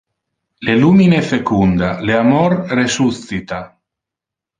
Le lumine fecunda, le amor resuscita.